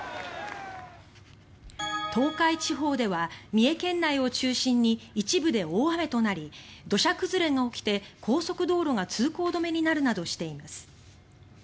東海地方では三重県内を中心に一部で大雨となり土砂崩れが起きて高速道路が通行止めになるなどしています。